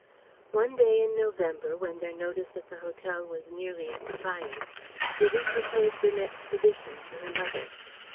One day in November when their notice at the hotel was nearly expired, Vivie proposed an expedition to her mother.